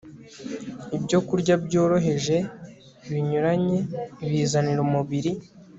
Ibyokurya byoroheje binyuranye bizanira umubiri